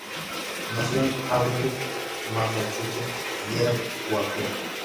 Nació en Haverhill, Massachusetts y era Cuáquero.